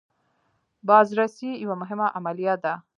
بازرسي یوه مهمه عملیه ده.